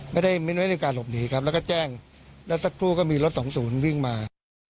ไม่ได้มีการหลบหนีครับแล้วก็แจ้งแล้วสักครู่ก็มีรถสองศูนย์วิ่งมา